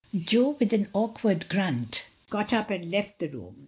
Jo, with an awkward grunt, got up and left the room.